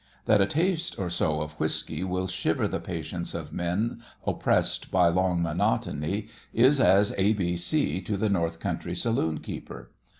That a taste or so of whiskey will shiver the patience of men oppressed by long monotony is as A B C to the north country saloon keeper.